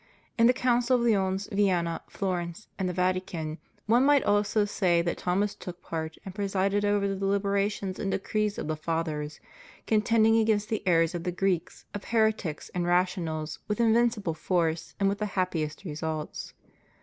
In the councils of Lyons, Vienna, Florence, and the Vatican one might almost say that Thomas took part and presided over the deliberations and decrees of the Fathers, contending against the errors of the Greeks, of heretics and rationaKsts, with invincible force and with the happiest results.